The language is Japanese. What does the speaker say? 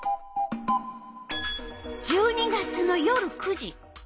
１２月の夜９時。